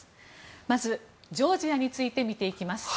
まず、ジョージアについて見ていきます。